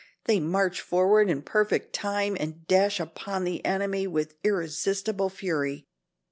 They march forward in perfect time and dash upon the enemy with irresistible fury.